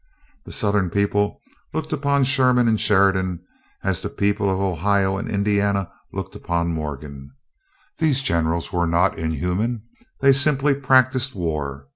The Southern people look upon Sherman and Sheridan as the people of Ohio and Indiana look upon Morgan. These generals were not inhuman; they simply practised war.